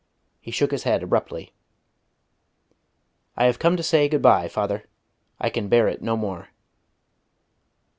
He shook his head abruptly. "I have come to say good bye, father. I can bear it no more."